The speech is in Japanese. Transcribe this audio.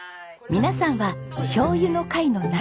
皆さんはしょうゆの会の仲間。